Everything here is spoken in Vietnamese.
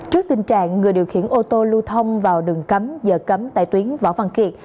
trước tình trạng người điều khiển ô tô lưu thông vào đường cấm giờ cấm tại tuyến võ văn kiệt